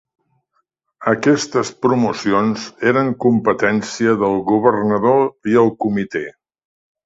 Aquestes promocions eren competència del Governador i el Comitè.